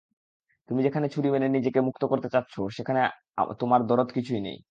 তুমি যেখানে ছুরি মেরে নিজেকে মুক্ত করতে চাচ্ছ সেখানে তোমার দরদ কিছুই নেই।